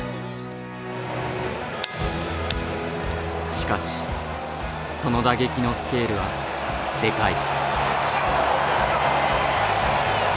しかしその打撃のスケールはデカい。